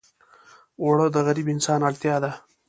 اوړه د غریب انسان اړتیا ده